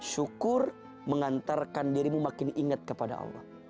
syukur mengantarkan dirimu makin ingat kepada allah